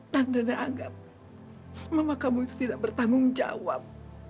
dan nenek anggap mama kamu itu tidak bertanggung jawab